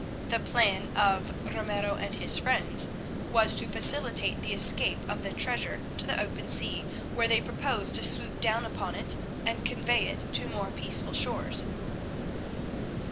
The plan of Ramiro and his friends was to facilitate the escape of the treasure to the open sea, where they proposed to swoop down upon it and convey it to more peaceful shores.